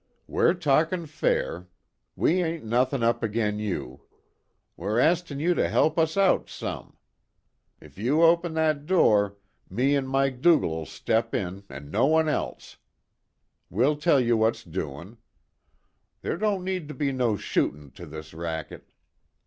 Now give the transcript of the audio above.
"We're talkin' fair. We ain't nuthin' up agin you. We're astin' you to help us out some. Ef you open that door, me an' Mike Duggan'll step in, an' no one else. We'll tell you what's doin'. Ther' don't need be no shootin' to this racket."